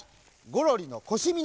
ゴロリのこしみの。